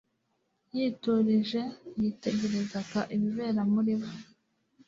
Yiturije, yitegerezaga ibibera muri bo.